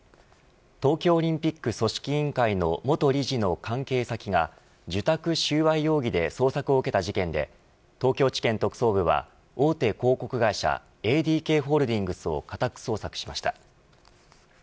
東京オリンピック組織委員会の元理事の関係先が受託収賄容疑で捜索を受けた事件で東京地検特捜部は、大手広告会社ＡＤＫホールディングスを家宅捜索しました。